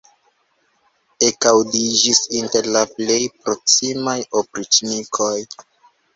ekaŭdiĝis inter la plej proksimaj opriĉnikoj.